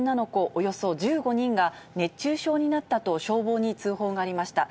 およそ１５人が、熱中症になったと消防に通報がありました。